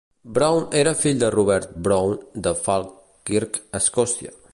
Browne era fill de Robert Browne de Falkirk, Escòcia.